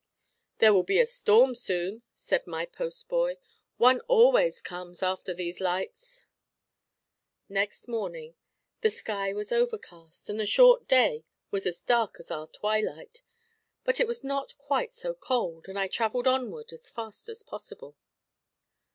"There will be a storm, soon," said my post boy; "one always comes, after these lights." Next morning the sky was overcast, and the short day was as dark as our twilight. But it was not quite so cold, and I travelled onward as fast as possible.